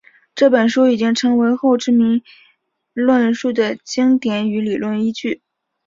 这本书已经成为后殖民论述的经典与理论依据。